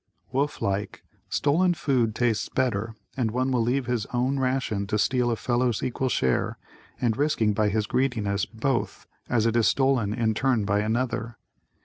Wolf like, stolen food tastes better and one will leave his own ration to steal a fellow's equal share and risking by his greediness both, as it is stolen in turn by another.